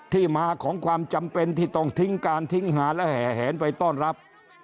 ที่มาของความจำเป็นที่ต้องทิ้งการทิ้งหาและแห่แหนไปต้อนรับ